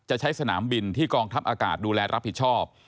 จะใช้สนามบินที่กองทัพอากาศดูแลรับผิดชอบ